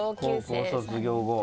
高校卒業後。